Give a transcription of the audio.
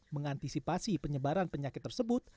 mengantisipasi penyebaran penyakit tersebut